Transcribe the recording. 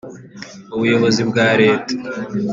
ubuyobozi bwa leta